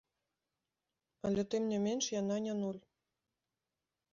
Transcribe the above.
Але тым не менш яна не нуль.